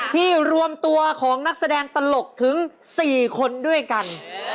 รวมตัวของนักแสดงตลกถึง๔คนด้วยกัน